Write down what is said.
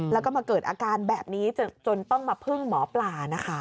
แล้วก็มาเกิดอาการแบบนี้จนต้องมาพึ่งหมอปลานะคะ